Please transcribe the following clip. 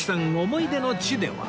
思い出の地では